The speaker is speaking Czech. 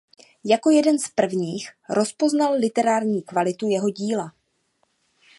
Jako jeden z prvních rozpoznal literární kvalitu jeho díla.